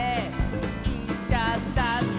「いっちゃったんだ」